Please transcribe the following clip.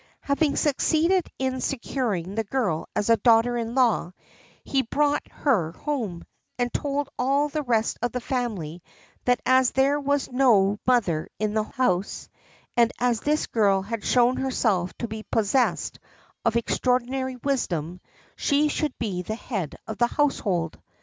Having succeeded in securing the girl as a daughter in law, he brought her home, and told all the rest of the family that as there was no mother in the house, and as this girl had shown herself to be possessed of extraordinary wisdom, she should be the head of the household.